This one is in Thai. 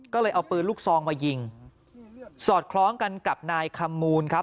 ก็เลยเอาปืนลูกซองมายิงสอดคล้องกันกับนายคำมูลครับ